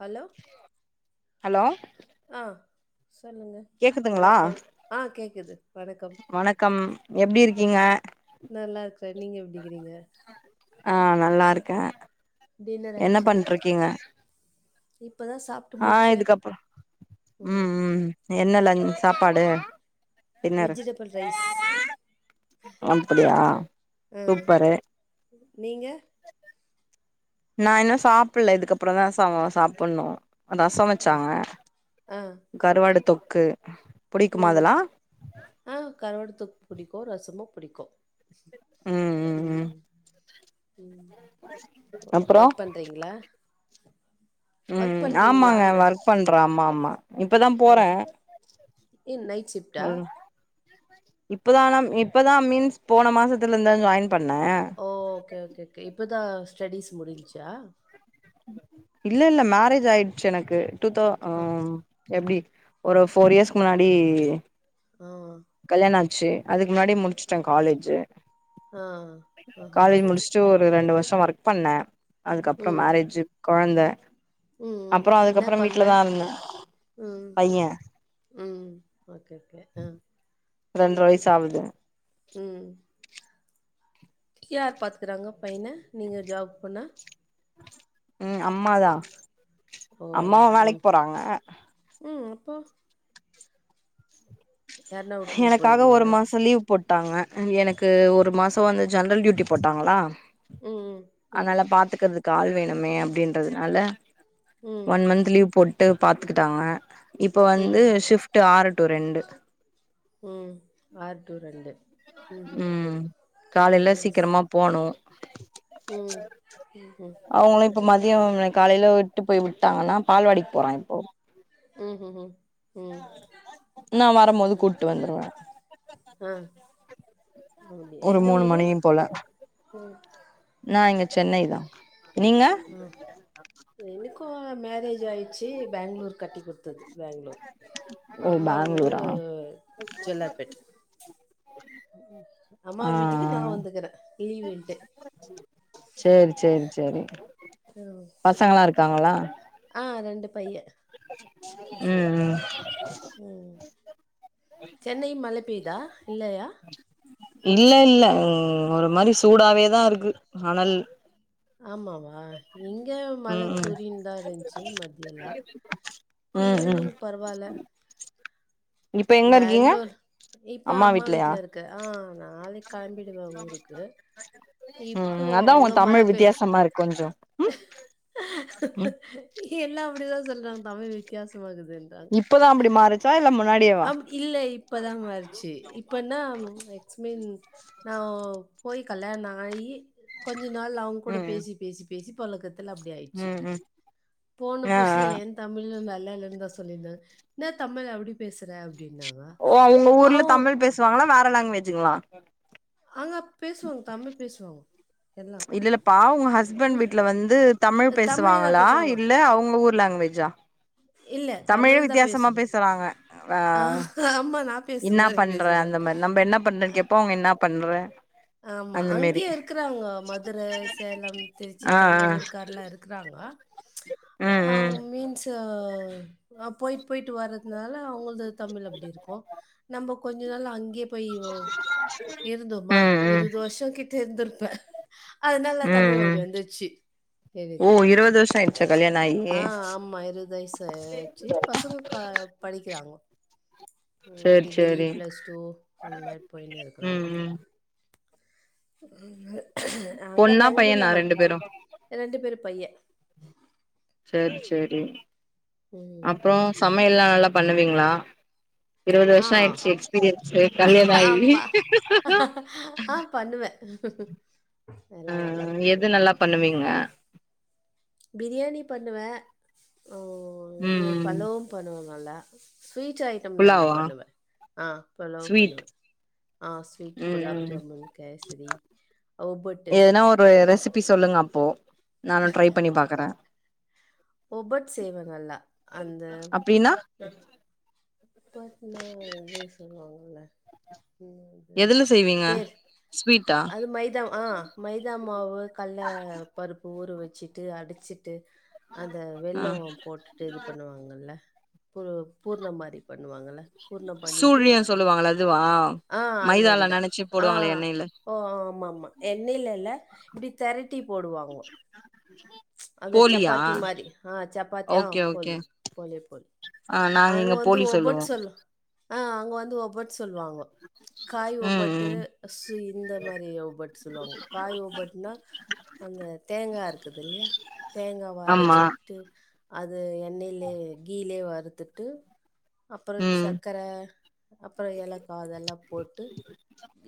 Hello hello ஆ சொல்லுங்க கேக்குதுங்களா வணக்கம் ஆ கேக்குது வணக்கம் வணக்கம் எப்டி இருக்கீங்க நல்லா இருக்கிறேன் நீங்க எப்படிக்கிறீங்க ஆ நல்லா இருக்கேன் என்ன பண்ருக்கீங்க இப்ப ஆ இதுக்கப்புறம் ம் ம் என்னல்ல சாப்பாடு டின்னர் வெஜிடபிள் ரைஸ் அப்டியா ஆ சூப்பரு நீங்க நான் இன்னும் சாப்பிடல இதுக்கப்புறம் தான் சாப்பிடணும் ரசம் ஆ வச்சாங்க ஆ கருவாடு தொ க்கு ம் ஆ கருவாடு தொக் புடிக்கும் ரசம புடிக்கும் உம் அப்புறம் பண்றீங்களா ஒர்க் உம் ஆமாங்க பண்றீங்களான்ன இப்பதான் ஆ போறேன் ஏ நைட் ஷிஃப்டா இப்பதான இப்பதான் மீன்ஸ் போன மாசத்துல இருந்தும் ஜாயின் பண்ணே ஓ ஓகே ஓகே கே இப்பதா ஸ்டடிஸ் முடிஞ்சச்சா இல்ல இல்ல மேரேஜ் ஆயிடுச்சு எனக்கு டு த ஆ அம் எப்படி ஒரு ஃபோர் இயர்ஸ்க்கு முன்னாடி ஆ கல்யாண ச்சு அதுக்கு முன்னாடியே முடிச்சுட்டேன் காலேஜு ஆ ஆஹா காலேஜ் முடிச்சுட்டு ரெண்டு வருஷம் ஒர்க் பண்ணேன் அதுக்கப்புறம் மேரேஜ் குழந்த உம் உ என்ன குழந்தை உம் பைய உம் ஓகே கே ஆஹ ரெண்டு வயசு ஆகுது யார் பாத்துறாங்க பையனை நீங்க ஜாப் போனா ம் அம்மாதா ஓ அம்மாவும் வேலைக்கு போறாங்க இப்போ விட்டுட்டு எனக்காக ஒரு போவீங்களா மாசம் லீவ் போட் போட்டாங்க எனக்கு ஒரு மாசம் வந்து ஜென்ரல் டியூட்டி போட்டாங்களா ம் ம் அதனால பாத்துக்கிறது ஆள் வேணுமே அப்படின்றதுனால ம் ஒன் மந்த் லீவ் போட் உட்டு பார்த்துக்கிட்டாங்க இப்போ வந்து ம் ஷிப்ட் ஆறு டூ ரெண்டு ம் ஆறு டூ ரெண்டு ம்ஹூம் ம் காலைல ம் ஸ் சீக்கிரமா போனு நோ ம் அவங்களும் இப்ப மதியம் காலையில விட்டு போய் விட் விட்டாங்கன்னா பால்வாடிக்கு போறான் இப்போ உஹும் ம் நான் வரும்போது கூப்பிட்டு வந்துருவேன் ஆ அப்டி ஒரு எந்த மூணு ஊரு மணியும் போல ம் நான் இங்க சென்னை தான் நீங்க இப்போ மேரேஜ் ஆயிடுச்சி பெங்களூர் கட்டி கொடுத்தது பெங்களூர் ஓ அம்மா ஊரு பேங்களூரா ஆ ஜெல்லாப்பேட் அம்மா ஆ வீட்டுக்கு நான் வந்துக்கிறேன் லீவ்ன்ட்டு சேரி சேரி ம் வந்துட்டாங்களா ஆ ரெண்டு பையன் சோ ம் ம் ம் சென்னை மழை பெய்தா இல்லையா இல்ல இல்ல ம் ஒரு மாரி சூடாவே தான் இருக்கு அனல் ஆமாவா இங்கே மழ ம் ம் தூரின்னு தான் இருந்துச்சு மத்தியலா இப்ப ம் ம் ஈவினிங் பரவாயில்ல இப்ப எங்க இருக்கீங்க பெங்களூர் இப்ப அம்மா வீட்ல இருக்கேன் ஆ நாளைக் கெளம்பிடுவேன் ஊருக்கு இப்போ ம் அதா உங்க அங்க மழ தமிழ் பெய் வித்தியாசமா இருக்கு கொஞ்சோ ம் க எல்லா அப்படிதான் சொல்றாங்க தமிழ் வித்தியாசமா இருக்குது இப்பதான் அப்படி மாறுச்சா இல்ல முன் ஆப் இல்ல இப்பதான் மாறுச்சு இப்பன்னா ச்சு தேட் மீன்ஸ் நான் போய் கல்யாணம் ஆகி கொஞ்சோ நாள் அவங்க கூட ம் பேசி பேசி பேசி பழக்கத்துக் துக்கல அப்படி ஆயிடுச்சு ம் ம் போன ஆ ஆ புசுல ஏன் தமிழும் வேற இன்னலிருந்து தான் சொல்லியிருந்தேன் என் தமிழ் அப்படி பேசுறப் ஓ உங்க ஊர்ல தமிழ் பேசுவாங்களா வேற லாங்குவேஜுங்களா அங்க பேசுவாங்க தமிழ் பேசுவாங்க எல்லாம் இல்லல்லப்பா உங்க ஹஸ்பண்ட் ம் வீட்டு்ல வந்து தமிழ் தான் பேசுவாங்களா பேசுவாங்க இல்ல அவங்க ஊர் லாங்குவேஜா இல்ல தமிழே தமிழ் தான் வித்தியாசமா பேசுவேன் பேசுறாங்க ஆ, ஆஹ் ஆமா நான் பேசுற என்ன மாதிரி பண்ற பேசுறேன் அந்த மாரி நம்ம என்ன பண்றன்னு கேப்போ அவுங்க என்னா பண்ற ஆமா அந்த மாரி அங்கயே இருக்கிறாங்க மதுரை சேலம் திருச்சி ஆ ஆ தஞ்சாவூருக்கார் எல்லா இருக்குறாங்க ம் ம் அஹ் மீன்ஸ் போயிட்டு போயிட்டு வர்றதுனால அவுங்கள்து தமிழ் அப்படி இருக்கு நம்ம கொஞ்ச நாள் அங்யே போய்வோ இருந்தோமா ம் ம் இருவது வருஷோ கிட்ட இருந்துரு ப்ப அதனால நா ம் தமிழ் ம் அப்படி வந்துச்சு ஓ தெரிது இருவது வருஷோ ஆயிடுச்சா கல்யாணோ ஆயி ஆஹ் ஆமா இருவது வயசு ஆச்சு பசங்க படிக்கிறாங்கோ சேரி டிகிரி சேரி பிளஸ் டூ அந்த மாரி போயிருந்திருக்கலாம் ம் ம் உஹ அங்க பொண்ணா பையனா பெங்களூர்ல ம ரெண்டு பேரு இரண்டு பேரு பைய்ய சேரி சேரி ம் அப்புறோ சம யல் எல்லா நல்லா பண்ணுவீங்ளா இருவது ஆ வருஷோ ஆயிடுச்சு எக்ஸ்பீரியன்ஸூ கல்யாணோ ஆயி ஆமா ஆ [inaudible] நல்லா உஹம் எது பண்ணுவேன் நல்லா பண்ணுவீங்க பிரியாணி பண்ணுவ ம் இது ம் பழவும் பண்ணுவாங்க நல்லா ஸ்வீட் ஐட்டம் நல்லா புலாவா பண்ணுவ ஆ பண்ணுவ ஸ்வீட் பண்ணுவ ஆ ஸ்வீட் ம் ம் குலப்ஜாமுன் கேசரி ஒபுட்டு எதுனா ஒரு ரெசிபி சொல்லுங்க அப்போ நானு ட்ரை பண்ணி பாக்குற ஒபட் செய்வ நல்லா அந்த அப்டின்னா ஒப்பத்துனா இது செய்வாங்கல்ல உ அ எதுல செய்வீங்க பேர் ஸ்வீட்டா அது மைதா ஆ மைதா மாவு கல்ல பருப்பு ஊற வெச்சிட்டு அடிச்சி ட்டு அந்த ஆ வெள்ளோ போட்டுட்டு இது பண்ணுவாங்கல்ல பூர் பூர்ணமார் அப்டி பண்ணுவாங்கள பூர்ணம் பண்ணிட்டு சூழியோ சொல்லுவாங்கள அதுவா ஆஹ் அது மைதால மாரிதான் நெனச்சு போடுவாங்களே ஆஹ் எண்ணெய்ல ஓ ஆமா ஆமா எண்ணைல இல்ல இப்டி தெரட்டி போடுவாங்க அந்த போலியா சப்பாத்தி மாரி ஆஹ் சப்பாத்தி ஆஹ் ஓகே ஓகே போலி போலியோ போலி ஆ நாங்கள் இங்க போலி சொல்லுவோம் ஆஹ் அங்க வந்து ஒபட் சொல்லுவாங்க காய் ம் ஒப்பட்டு ம் சு இந்த மாரி ஒப்பட்டு சொல்லுவாங்க காய் ஒப்பட்டுனா அந்த தேங்காய் இருக்குது இல்லையா தேங்காய் ஆமா வரைச்சிட்டு அது எண்ணெயிலயே கீலயே வரு த்தட்டு அப்புறம் ம் சக்கர அப்புறம் எலக் கா அதெல்லாம் போட்டு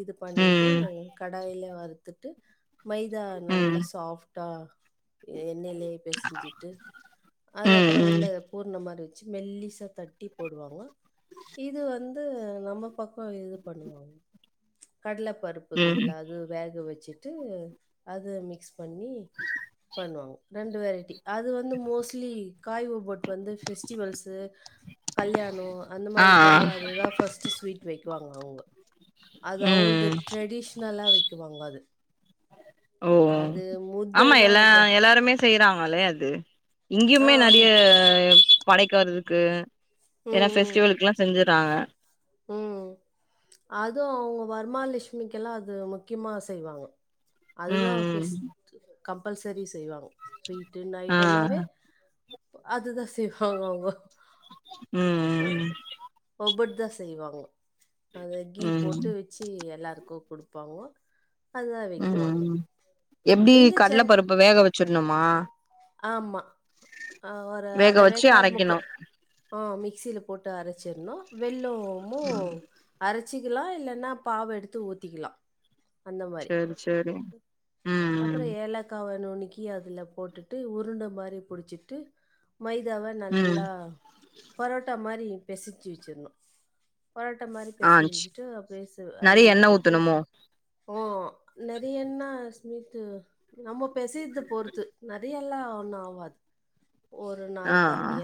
இது பண்ணிட்டு ம் க டாயில வறுத்துட்டு மைதா ம் நல்லா சாஃப் ட்டா எ ண்ணலயே பேசிஞ்சிட்டு அது ம் அப்புறம் ம் உள்ள பூர்ண மாதிரி மெல்லிசா தட்டி போடுவாங்க இது வந்து நம்ம பக்கம் இது பண்ணுவாங்க கடலை ம் பருப்புக்குதுல் அது வேக வச் சிட்டு அத மிக்ஸ் பண்ணி பண்ணுவாங்க ரெண்டு வரேட்டி அது வந்து மோஸ்லி காய் ஒபட் வந்து ஃபெஸ் டிவல்ஸு கல்யாணம் அந்த ஆ ஆ மாரி டைம்ல் அதுதான் ஃபஸ்டு ஸ்வீட் வைக் காங்க அவங்க அது அவுங்களது ம் ட்ரெடிஷனலா வைக் க்குவாங்க அது ஓ அது முத ஆமா தான் எல்லா ஜா எல்லாருமே செய்யறாங்களே அது ஆ இங்கயுமே நிறைய ஆமாம் படைக்க வதுக்கு ஏன்னா ஃபெஸ்டிவலுக் எல்லாம் செஞ்ச றாங்க உம் அதுவும் அவங்க வருமாலட்சுமிக்கெல்லாம் அது முக்கியமா செய்வாங்க ம் அதுதான் ம் ஃபெஸ்ட் கம்பல்சரி செய்வாங்க ஸ்வீட்டு ஆ நைட்டு்ண்ணாவே அதுதான் செய்வாங்க அவுங்க ம் அ ஒ செய்வாங்க அத கீ போட்டு ம் வச்சு எல்லாருக்கும் கொடுப்பாங்கோ அதுதான் ம் வைக்குவாங்க ம் எப்டி இங்கே கட்ல சென் பருப்ப வேக வச்சிடணுமா ஆமா ஆ ஒரு வேக வச்சு அரைவேக்காடு முக்கு அரைக்கணு ஆ மிக்சில போட்டு அரைச்சிடணும் வெள்ளி [unintelligible] அ வச்சிக்கலாம் இல்லைன்னா பாவ எடுத்து ஊத்திக்கலாம் அந்த மாரி. செரி செரி உம் அப்புறம் ஏலக்கா நுனுக்கி அதுல போட்டுட்டு உருண்ட மாரி புடிச்சிட்டு மைதாவ ம் ம் நல்லா பரோட்டா மாரி பெசஜ்சி வச்சிரனும் பரோட்ட மாதிரி ஆ பிசஞ்சி வச்சுட்டு பேசு அது நெறைய உள்ள எண்ணெ போட்டு ஊத்தணுமோ நெறையன்னா மித்து நம்ம பெசியது பொறுத்து நறைய எல்லாம் ஒண்ணும் ஆவாது ஆஹ்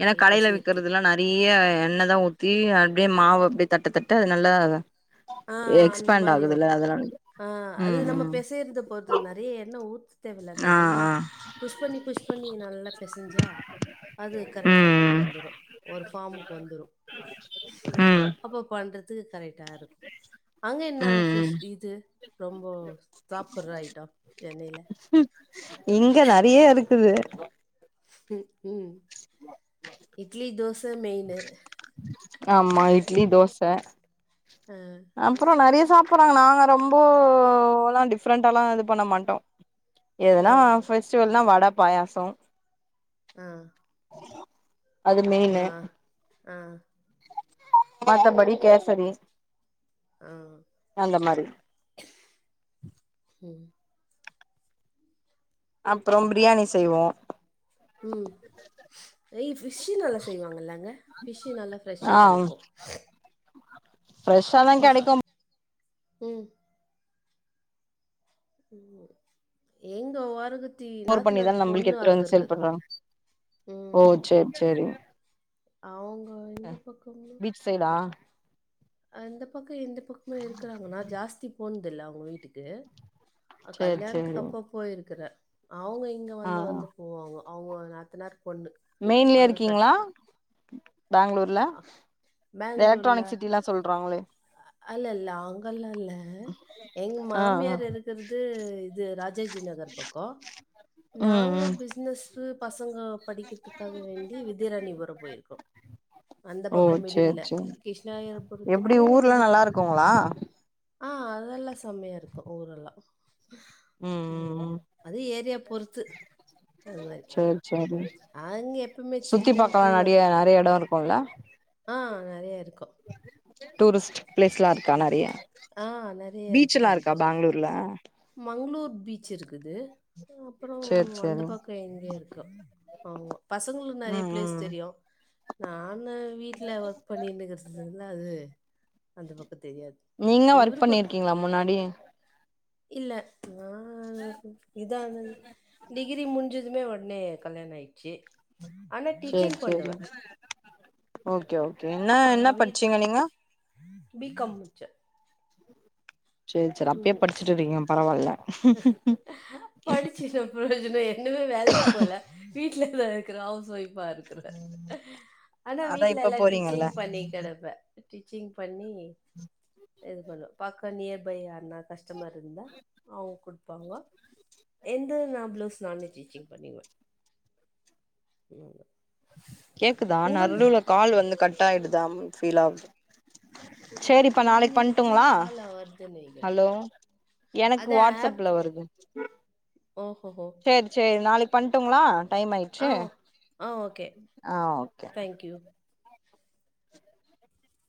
ஏன்னா அது கடையில பிசையறதுக்கு விக்கறிறது எல்லாம் நறைய எண்ணெய் தான் ஊத்தி அப்டியே மாவு அப்டியே தட்ட தட்ட அது நல்ல ஆஹ் அந்த மாரி வரும் ஆஹ் அது ம் நம்ம ம் பேசையறத போறது நிறைய எண்ண ஊ தேவல ஆ நம்ம ஆ புஷ் பண்ணி புஷ் பண்ணி ந நல்லா பசைஞ்சா அது கரெக்டா அப்டி ம் வந்துரும் ஒரு ஃபார்முக்கு வந்துரும் ம் அப்ப க்கு கரெக்டா இருக்கும் அங்க என்ன ம் ம் பிஷ் இது ரொம்ப சாப்படுற ஐட்டம் சென்னையில இங்க நெறைய இருக்குது உம் உம் இட்லி தோச த மெயின் ஆமா இட்லி தோச ச ஆ அப்புறம் நிறைய சாப்பிடுறாங்க நாங்க ரொம்பதாம் டிஃப்ரெண்டால்லாம் இது பண்ண மாட்டோம் ஆ எதுனா பெஸ்டிவல்னா வட பாயாசம் ஆஹ் அது மெயின் ஆஹ மத்த படி கேசரி ஆஹ் அந்த மாரி உம் அப்புறம் பிரியாணி செய்வோம் உம் ஏய் பிஷ்ஸு நல்லா செய்வாங்கல்லாங்க பிஷ்ஸு நல்லா ஃப்ரெஷ்ஷா கிடைக்கும் ஃரெஷ்ஷதா கிடைக்கும் உம் எங்க வாருக்கு ர் பண்ணிதான் நம்மளுக்கு எத்துந்து செயல்படுறோம் ஓ ம் சரி சரி அவங்க இந்த பீச் சைடா அந்த பக்கம் எந்த பக்கமே இருக்கறாங்கன்னா ஜாஸ்தி போனது இல்ல அவங்க வீட்டுக்கு சேரி சேரி கல்யாணத்துக்கு அப்ப போயிருக்கற அவங்க இங்கே ஆ வந்து வந்து போவாங்க அவங்க நாத்தனார் பொண்ணு மெயின்லயே அங்கே கட் இருக்கீங்களா பெங்களூர் இல்ல அ- பெங்களூர்ல எலக்ட்ரானிக் சிட்டி எல்லாம் சொல்றாங்களே அல்ல அல்ல அங்கல்லா அல்ல ல்ல எங்க ஆ ஆ மாமியார் இருக்கிறது இது ராஜாஜி நகர் பக்கம் ம் நாங்க ம் பிசனஸ் [unintelligible] பசங்க படிக்கிறதுக்காக வேண்டி வித்யாராணிபுரம் போயிருக்கோம் அந்த ஓ பக்கம் சேரி மெடல சேரி எப்டி கிருஷ்ணாயரபுரத்துக்கும் ஊர்லா இந்த நல்லா இருக்குங்களா ஆஹ் அதெல்லாம் செம்மையா இருக்கும் ஊரெல்லாம் உம் உம் ம். உம் அது ஏரியா பொறுத்து அது மாதிரி சரி சரி அங்க எப்பவுமே சுத்தி சில்லுன்னு பாரக்கலாம் கூலா நைய நிறைய இடம் இருக்கும்ல்லா ஆஹ் நிறைய இருக்கும் டூரிஸ்ட் பிளேஸ் எல்லாம் இருக்கா ம். நிறைய ஆ நிறைய பீச்ச இருக்குது எல்லாம் அந்த இருக்கா பக்கம் பெங்களூர்ல மங்களூர் பீச் இருக்குது அப்புறம் சேரி அந்த சேரி பக்கம் எங்கே இருக்கும் பசங்களுக்கு நிறைய ம் பிளேஸ் ம் தெரியும் நான வீட்ல ஒர்க் பண்ணட்டுங்கிறதுதுல அது அந்த ப நீங்க ஒர்க் பண்ணிருக்கீங்களா முன்னாடி இல்ல ஆ இதா டிகிரி முடிஞ்சு எதுமே உடனே கல்யானோ ஆயிடுச்சு ஆனா சேரி டீச்சிங் சேரி பண்ணுவே ஓகே ஓ என்னா அங்க என்ன வீட் படிச்சீங்க நீங்க பி காம் முடிச்சே சேரி சேரி அப்பயே உம் படிச்சுட்டு இருக்கீங்க பரவால்ல படிச்சு ன்ன பிரயோஜனம் என்னமே வேலைக்கு போல வீட்ல ல இருக்குற ஹவுஸ் ஒய் பா இருக்கறே ஆனா அதா வீட்ல இப்ப எல்லா போறீங்கல்ல டீச்சிங் பண்ணி கிடப்பே டீச்சிங் பண்ணி இது பண்ண பக்க நியர்பை ன்னா கஸ்டமர் இருந்தா அவுங்க குடுப்பாங்க எந்த நா பிளவுஸ் நானே ஸ்டிச்சிங் பண்ணிருவே ம் கேக்குதா நடுல கால் வந்து கட் ஆயிடுது [unintelligible] சரிப்பா எங்க நாளைக்கு இதுல பண்ட்டுங்களா கால் வருதுன்னு நெனைக்கிறே ஹலோ எனக்கு அது ஆப் வாட்ஸ்ஸப்ல வருது ஓஹோஹோ சேரி சேரி நாளைக்கு பண்ணட்டுங்களா டைம் ஆ ஆயிச்சு ஆ ஓகே ஆ ஓகே தேங்க்யூ